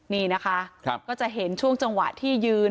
นี่นะคะก็จะเห็นช่วงจังหวะที่ยืน